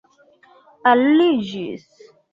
aliĝis